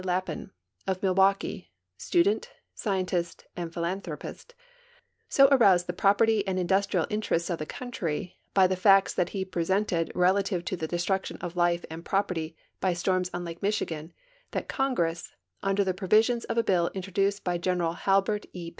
Lapham, of Milwaukee, student, scientist, and philanthropist, so aroused the property and industrial in terests of the countr}^ b}^ the facts that he presented relative to the destruction of life and property b^' storms on Lake Michigan that Congress, under the provisions of a bill introduced by Gen eral Halbert E.